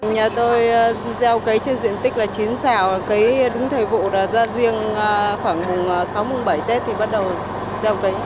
nhà tôi gieo cấy trên diện tích là chín xào cấy đúng thời vụ ra riêng khoảng sáu bảy tết thì bắt đầu gieo cấy